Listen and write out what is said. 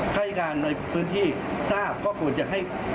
ให้การในพื้นที่ทราบก็ควรจะให้